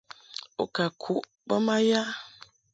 U ka kuʼ bə ma ya ?